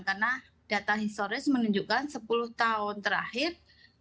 karena data historis menunjukkan sepuluh tahun terakhir